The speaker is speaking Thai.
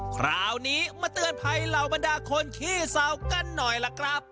คราวนี้มาเตือนภัยเหล่าบรรดาคนขี้เศร้ากันหน่อยล่ะครับ